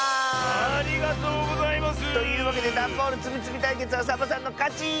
ありがとうございます！というわけでダンボールつみつみたいけつはサボさんのかち！